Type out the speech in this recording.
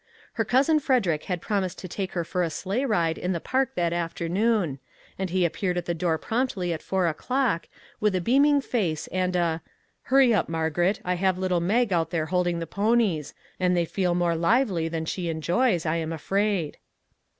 Her cousin Frederick had promised to take her for a sleigh ride in the park that afternoon, and he ap peared at the door promptly at four o'clock, with a beaming face and a " Hurry up, Margaret ; I have little Mag out there holding the ponies, and they feel more lively than she enjoys, I am afraid."